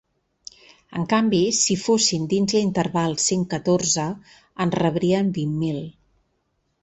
En canvi, si fossin dins l’interval cinc-catorze, en rebrien vint mil.